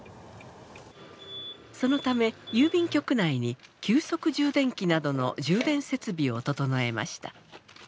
そのため郵便局内に急速充電器などの充電設備を整えました。